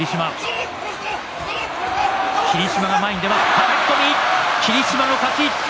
はたき込み、霧島の勝ち。